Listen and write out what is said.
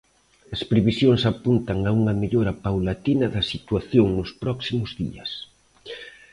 As previsións apuntan a unha mellora paulatina da situación nos próximos días.